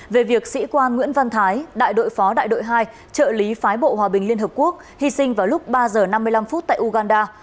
về việc sĩ quan nguyễn văn thái đại đội phó đại đội hai trợ lý phái bộ hòa bình liên hợp quốc hy sinh vào lúc ba h năm mươi năm phút tại uganda